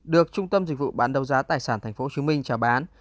được trung tâm dịch vụ bán đấu giá tài sản tp hcm trả bán